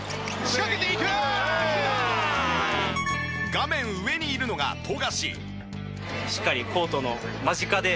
画面上にいるのが富樫。